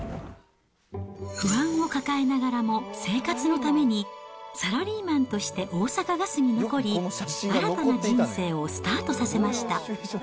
不安を抱えながらも、生活のためにサラリーマンとして大阪ガスに残り、新たな人生をスタートさせました。